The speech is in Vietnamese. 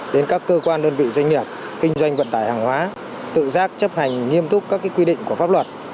đến các cơ quan đơn vị doanh nghiệp kinh doanh vận tải hàng hóa tự giác chấp hành nghiêm túc các quy định của pháp luật